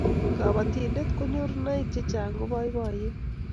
kabatindet ak nyoruniaik chechang ko baibaiet